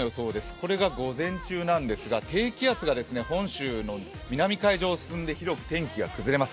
これが午前中なんですが、低気圧が本州の南海上を進んで広く天気が崩れます。